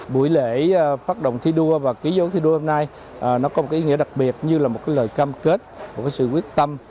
buổi lễ phát động thi đua và ký dấu thi đua hôm nay nó có một ý nghĩa đặc biệt như là một lời cam kết một cái sự quyết tâm